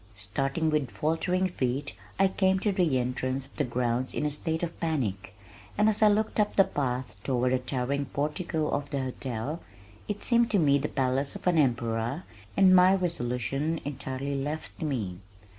Starting with faltering feet I came to the entrance of the grounds in a state of panic, and as I looked up the path toward the towering portico of the hotel, it seemed to me the palace of an emperor and my resolution entirely left me.